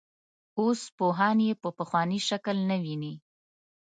اوس پوهان یې په پخواني شکل نه ویني.